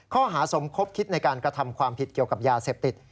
ข้อหาสมคบคิดในการกระทำความผิดเกี่ยวกับยาเสพติด